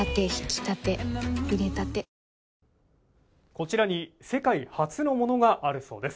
こちらに世界初のものがあるそうです。